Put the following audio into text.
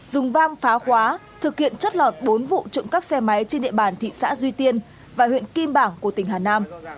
dùng vam phá khóa thực hiện chất lọt bốn vụ trộm cắp xe máy trên địa bàn thị xã duy tiên và huyện kim bảng của tỉnh hà nam